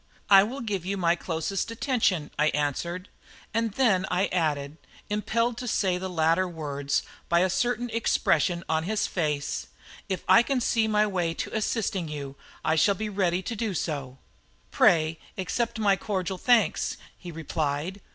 "I will give you my closest attention," I answered; and then I added, impelled to say the latter words by a certain expression on his face, "if I can see my way to assisting you I shall be ready to do so." "Pray accept my cordial thanks," he replied.